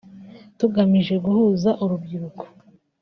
tugamije guhuza urubyiruko